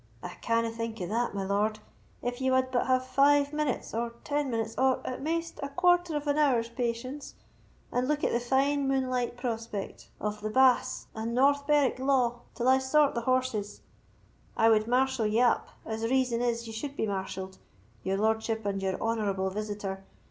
"I canna think o' that, my lord; if ye wad but have five minutes, or ten minutes, or, at maist, a quarter of an hour's patience, and look at the fine moonlight prospect of the Bass and North Berwick Law till I sort the horses, I would marshal ye up, as reason is ye suld be marshalled, your lordship and your honourable visitor.